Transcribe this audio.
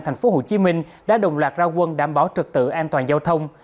thành phố hồ chí minh đã đồng loạt ra quân đảm bảo trực tự an toàn giao thông